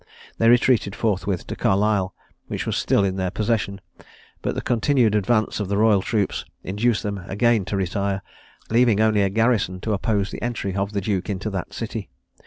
They retreated forthwith to Carlisle, which was still in their possession; but the continued advance of the royal troops induced them again to retire, leaving only a garrison to oppose the entry of the Duke into that city.